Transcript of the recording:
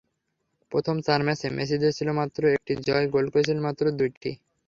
প্রথম চার ম্যাচে মেসিদের ছিল মাত্র একটি জয়, গোল করেছিল মাত্র দুইটি।